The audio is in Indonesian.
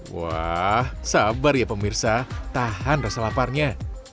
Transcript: wah sabar ya pemirsa tahan rasa laparnya